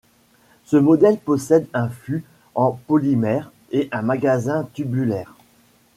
Ce modèle possède un fut en polymère et un magasin tubulaire.